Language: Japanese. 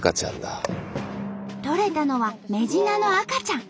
とれたのはメジナの赤ちゃん。